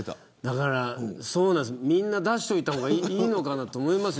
だから、みんな出しておいた方がいいのかなと思います。